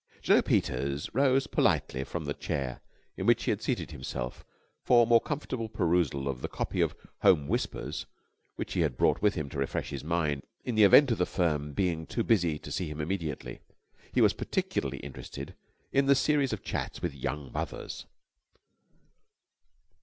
Jno. Peters rose politely from the chair in which he had seated himself for more comfortable perusal of the copy of Home Whispers which he had brought with him to refresh his mind in the event of the firm being too busy to see him immediately. He was particularly interested in the series of chats with Young Mothers.